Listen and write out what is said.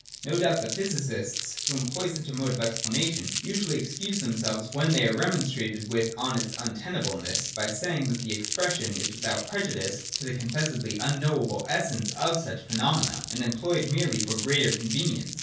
No doubt the physicists, who employ such a mode of explanation, usually excuse themselves, when they are re monstrated with on its untenableness, by saying that the ex pression is without prejudice to the confessedly unknowable essence of such phenomena, and employed merely for greater convenience.